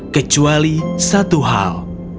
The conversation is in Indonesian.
kecuali satu hal